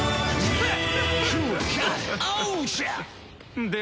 フッ！